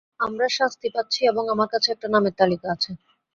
আমরা শাস্তি পাচ্ছি, এবং আমার কাছে একটা নামের তালিকা আছে!